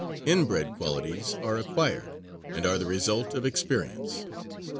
Inbred qualities are acquired, and are the result of experience.